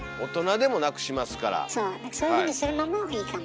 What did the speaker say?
そういうふうにするのもいいかもしれませんね。